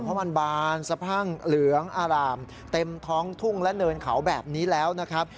เพราะมันบานสะพั่งเหลืองอารามเต็มท้องทุ่งและเนินเขาแบบนี้แล้วนะครับ